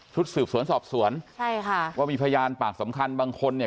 สืบสวนสอบสวนใช่ค่ะว่ามีพยานปากสำคัญบางคนเนี่ย